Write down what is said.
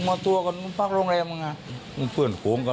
มันมาตัวกันมันพักโรงแรมมันไงมันเพื่อนขวงกัน